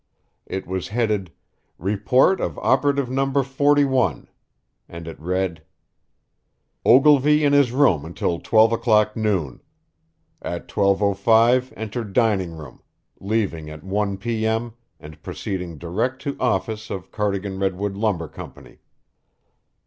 It was headed: "Report of Operative No. 41," and it read: Ogilvy in his room until 12 o'clock noon. At 12:05 entered dining room, leaving at 1 P. M. and proceeding direct to office of Cardigan Redwood Lumber Company.